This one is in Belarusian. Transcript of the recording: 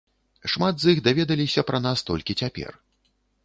Шмат з іх даведаліся пра нас толькі цяпер.